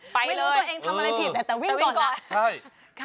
ไม่รู้ตัวเองทำอะไรผิดแต่วิ่งก่อนล่ะ